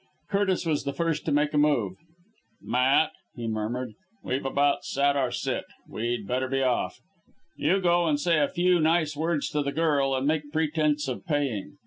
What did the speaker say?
Curtis was the first to make a move. "Matt," he murmured, "we've about sat our sit. We'd better be off. You go and say a few nice words to the girl and make pretence of paying.